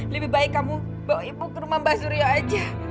lebih baik kamu bawa ibu ke rumah mbak suryo aja